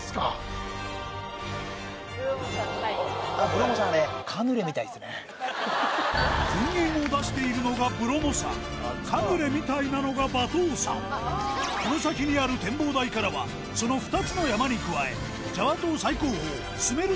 ラストは目指すは噴煙を出しているのがブロモ山カヌレみたいなのがバトー山この先にある展望台からはその２つの山に加えジャワ島最高峰スメル